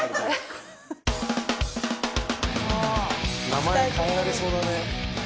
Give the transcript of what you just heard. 名前変えられそうだね。